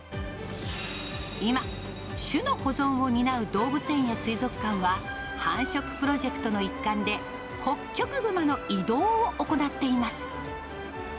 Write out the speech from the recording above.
今、種の保存を担う動物園や水族館は、繁殖プロジェクトの一環で、ホッキョクグマの移動を行っています。